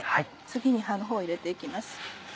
次に葉のほうを入れて行きます。